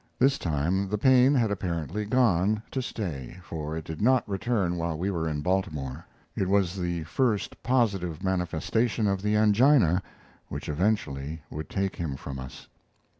This time the pain had apparently gone to stay, for it did not return while we were in Baltimore. It was the first positive manifestation of the angina which eventually would take him from us.